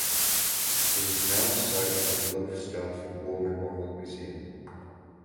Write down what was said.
It is now the site of Lowestoft War Memorial Museum.